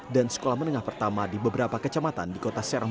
kami bersama dengan ketua gugus tugas dalam hal ini wali kota serang